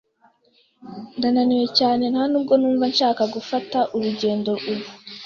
Ndananiwe cyane. Ntabwo numva nshaka gufata urugendo ubu.